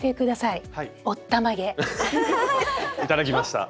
いただきました。